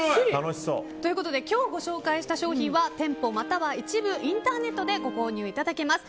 今日ご紹介した商品は店舗または一部インターネットでご購入いただけます。